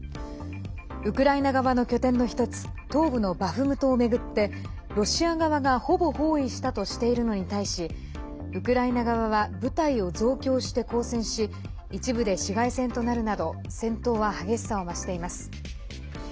ウクライナ側の拠点の１つ東部のバフムトを巡ってロシア側がほぼ包囲したとしているのに対しウクライナ側は部隊を増強して抗戦し一部で市街戦となるなど戦闘は激しさを増しています。